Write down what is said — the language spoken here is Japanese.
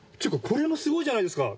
これもすごいじゃないですか！